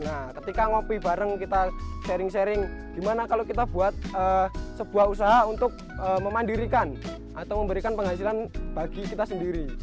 nah ketika ngopi bareng kita sharing sharing gimana kalau kita buat sebuah usaha untuk memandirikan atau memberikan penghasilan bagi kita sendiri